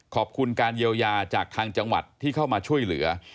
ขอบคุณการเยียวยาจากทางจังหวัดที่เข้ามาช่วยเหลือ